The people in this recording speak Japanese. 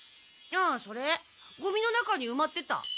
ああそれゴミの中にうまってた。